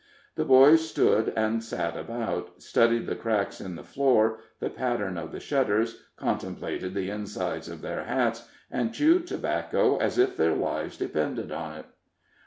The boys stood and sat about, studied the cracks in the floor, the pattern of the shutters, contemplated the insides of their hats, and chewed tobacco as if their lives depended on it.